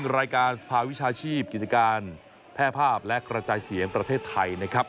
รายการสภาวิชาชีพกิจการแพร่ภาพและกระจายเสียงประเทศไทยนะครับ